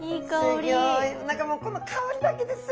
何かもうこの香りだけです